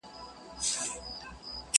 مُلا دي لولي زه سلګۍ درته وهمه،